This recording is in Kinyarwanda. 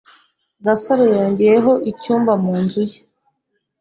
Gasaro yongeyeho icyumba mu nzu ye.